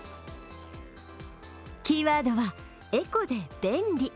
キーワードは、エコで便利。